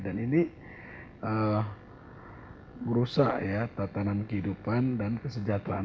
dan ini merusak ya tatanan kehidupan dan kesejahteraan